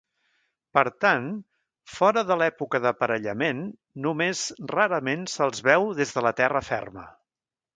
Per tant, fora de l'època d'aparellament només rarament se'ls veu des de la terra ferma.